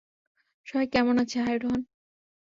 সবাই কেমন আছেন, - হাই, রোহন।